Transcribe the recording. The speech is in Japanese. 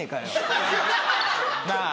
なあ！